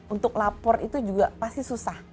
untuk lapor itu juga pasti susah